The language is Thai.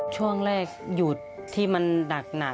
ช่วงแรกหยุดที่มันหนัก